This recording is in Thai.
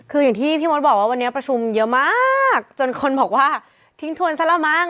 คืออย่างที่พี่มดบอกว่าวันนี้ประชุมเยอะมากจนคนบอกว่าทิ้งทวนซะละมั้ง